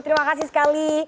terima kasih sekali